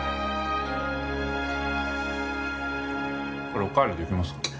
これおかわりできますか？